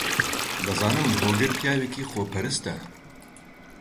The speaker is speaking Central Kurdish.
دەزانم هۆگر پیاوێکی خۆپەرستە.